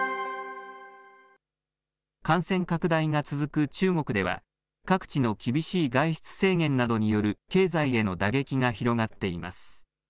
感染拡大が続く中国では、各地の厳しい外出制限などによる経済への打撃が広がっています。